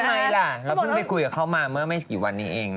ทำไมล่ะเราเพิ่งไปคุยกับเขามาเมื่อไม่กี่วันนี้เอง